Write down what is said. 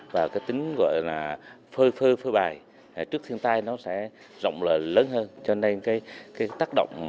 và cái tính gọi là phơi phơ bài trước thiên tai nó sẽ rộng lớn hơn cho nên cái tác động